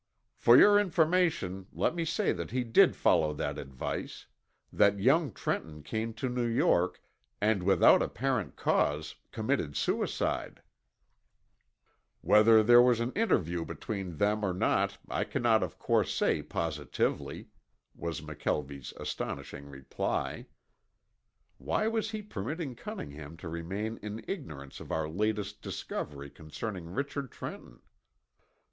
"For your information let me say that he did follow that advice, that Young Trenton came to New York and, without apparent cause, committed suicide. Whether there was an interview between them or not I cannot of course say positively," was McKelvie's astonishing reply. Why was he permitting Cunningham to remain in ignorance of our latest discovery concerning Richard Trenton?